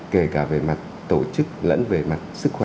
kể cả về mặt tổ chức lẫn về mặt sức khỏe